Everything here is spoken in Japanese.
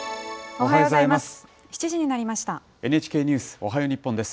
おはようございます。